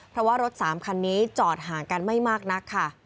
เพราะว่ารถ๓คันนี้จอดห่างกันไม่มากนักค่ะ